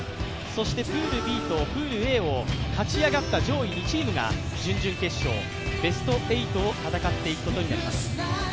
そしてプールＢとプールＡを勝ち上がった上位２チームが準々決勝、ベスト８を戦っていくことになります。